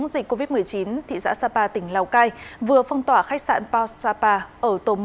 dịch covid một mươi chín thị xã sapa tỉnh lào cai vừa phong tỏa khách sạn paosapa ở tổ một